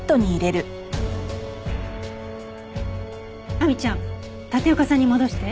亜美ちゃん立岡さんに戻して。